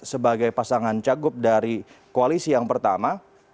sebagai pasangan cagup dari koalisi yang pertama